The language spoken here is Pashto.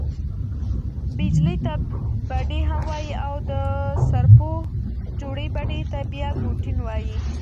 بیجلي ته بډۍ هم وايي او، د سرپو جوړي بډۍ ته بیا کوټین وايي.